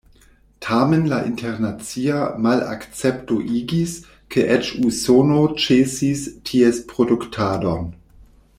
Tamen la internacia malakcepto igis, ke eĉ Usono ĉesis ties produktadon.